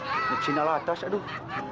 memuksin alat tas aduh